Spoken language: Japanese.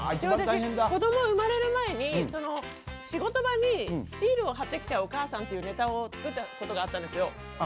子どもが生まれる前に仕事場にシールを貼ってきちゃうお母さんっていうネタを作ったことがあるんですよ。